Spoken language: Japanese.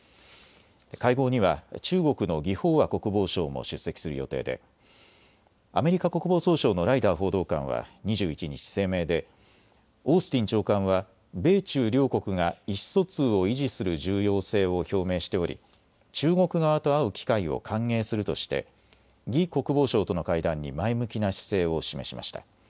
会合には中国の魏鳳和国防相も出席する予定でアメリカ国防総省のライダー報道官は２１日、声明でオースティン長官は米中両国が意思疎通を維持する重要性を表明しており中国側と会う機会を歓迎するとして魏国防相との会談に前向きな姿勢を示しました。